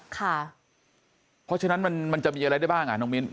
เพราะฉะนั้นมันจะมีอะไรได้บ้างน้องมิ้น